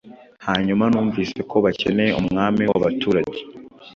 Hanyuma numvise ko bakeneye umwami wabaturage